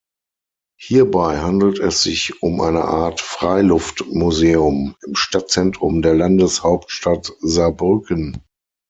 Hierbei handelt es sich um eine Art Freiluftmuseum im Stadtzentrum der Landeshauptstadt Saarbrücken.